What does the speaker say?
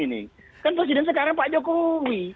ini kan presiden sekarang pak jokowi